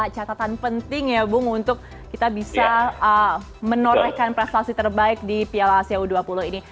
catatan penting ya bung untuk kita bisa menorehkan prestasi terbaik di piala asia u dua puluh ini